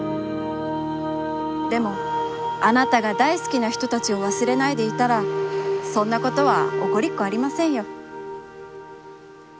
「でも、あなたが大すきなひとたちをわすれないでいたら、そんなことはおこりっこありませんよ」